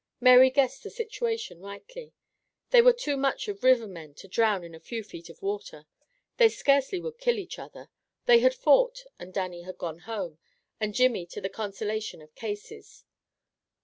Mary guessed the situation rightly. They were too much of river men to drown in a few feet of water; they scarcely would kill each other. They had fought, and Dannie had gone home, and Jimmy to the consolation of Casey's.